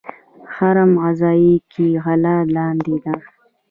هرم غذایی کې غله لاندې ده.